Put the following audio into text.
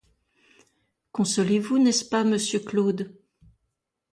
Consolez-vous, n’est-ce pas ? monsieur Claude.